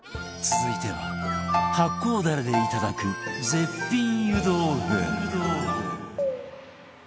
続いては発酵ダレでいただく絶品湯豆腐